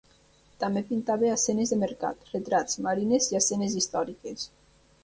També pintava escenes de mercat, retrats, marines i escenes històriques.